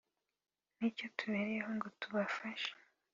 ni cyo tubereyeho ngo tubafashe